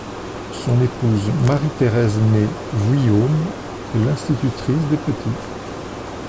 Son épouse Marie Thérèse née Vuillaume, est l'institutrice des petits.